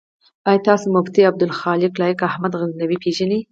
آيا تاسو مفتي ابوخالد لائق احمد غزنوي پيژنئ؟